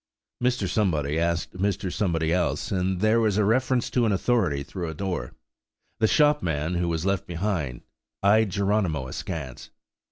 Mr. Somebody asked Mr. Somebody else, and there was a reference to an authority through a door. The shopman, who was left behind, eyed Geronimo askance.